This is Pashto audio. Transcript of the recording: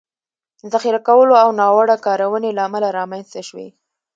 ذخیره کولو او ناوړه کارونې له امله رامنځ ته شوي